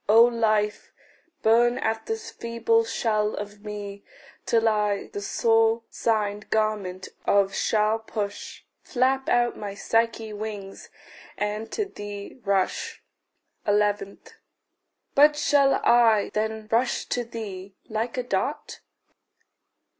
O Life, burn at this feeble shell of me, Till I the sore singed garment off shall push, Flap out my Psyche wings, and to thee rush. 11. But shall I then rush to thee like a dart?